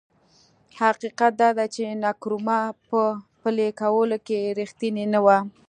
حقیقت دا دی چې نکرومه په پلي کولو کې رښتینی نه و.